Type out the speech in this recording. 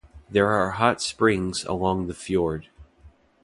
There are hot springs along the fjord.